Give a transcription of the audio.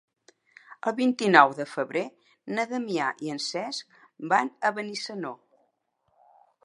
El vint-i-nou de febrer na Damià i en Cesc van a Benissanó.